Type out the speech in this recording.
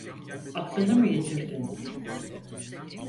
Aklını mı yitirdin?